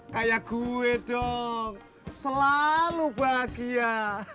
kayak gue dong selalu bahagia